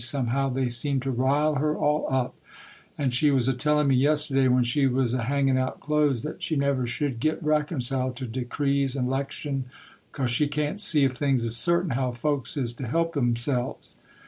Somehow they seem to rile her all up; and she was a tellin' me yesterday, when she was a hangin' out clothes, that she never should get reconciled to Decrees and 'Lection, 'cause she can't see, if things is certain, how folks is to help 'emselves.